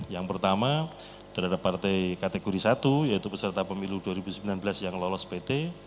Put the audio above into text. yang pertama terhadap partai kategori satu yaitu peserta pemilu dua ribu sembilan belas yang lolos pt